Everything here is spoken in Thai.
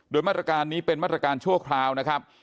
โดยมาตรการนี้เป็นมาตรการชั่วคราวนะครับ